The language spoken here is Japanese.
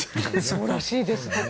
そうらしいですね。